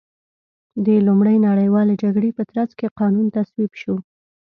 د لومړۍ نړیوالې جګړې په ترڅ کې قانون تصویب شو.